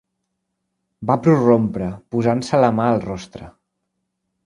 Va prorrompre, posant-se la mà al rostre